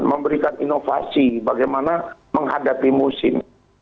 memberikan inovasi bagaimana menghadapi musim